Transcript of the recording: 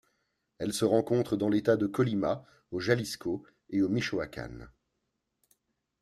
Elle se rencontre dans l'État de Colima, au Jalisco et au Michoacán.